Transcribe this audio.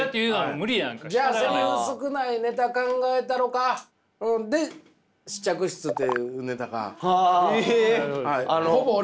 じゃあセリフ少ないネタ考えたろかで「試着室」というネタが。え！